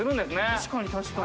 確かに、確かに。